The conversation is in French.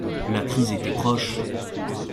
La crise était proche.